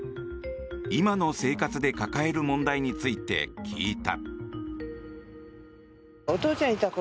今の生活で抱える問題について聞いた。